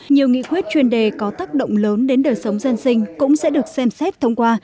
nhiều nghị quyết chuyên đề có tác động lớn đến đời sống dân sinh cũng sẽ được xem xét thông qua